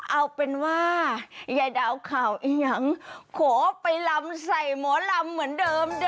เอาเป็นว่ายายดาวข่าวเองยังขอไปลำใส่หมอลำเหมือนเดิมเด้อ